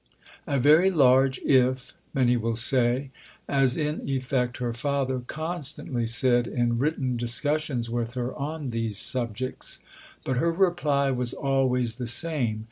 A very large "if," many will say; as in effect her father constantly said in written discussions with her on these subjects. But her reply was always the same.